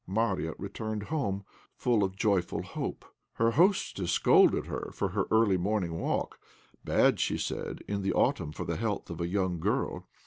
Marya returned home full of joyful hope. Her hostess scolded her for her early morning walk bad, she said, in the autumn for the health of a young girl.